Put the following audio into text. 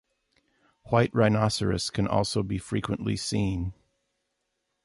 White rhinoceros can also be frequently seen.